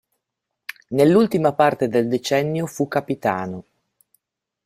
Nell'ultima parte del decennio fu capitano.